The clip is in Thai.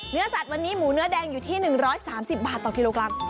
เนื้อสัตว์วันนี้หมูเนื้อแดงอยู่ที่๑๓๐บาทต่อกิโลกรัม